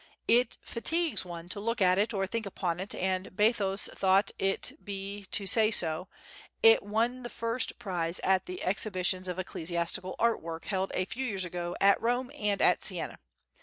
It fatigues one to look at it or think upon it and, bathos though it be to say so, it won the first prize at the Exhibitions of Ecclesiastical Art Work held a few years ago at Rome and at Siena.